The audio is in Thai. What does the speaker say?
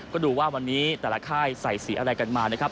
ก็ดูว่าวันนี้แต่ละค่ายใส่สีอะไรกันมานะครับ